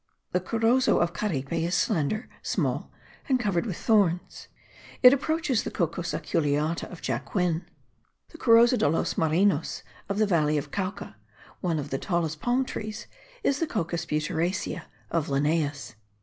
The Corozo of Caripe is slender, small and covered with thorns; it approaches the Cocos aculeata of Jacquin. The Corozo de los Marinos of the valley of Cauca, one of the tallest palm trees, is the Cocus butyracea of Linnaeus.)